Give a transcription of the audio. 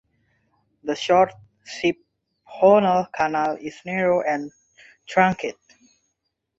The short siphonal canal is narrow and truncate.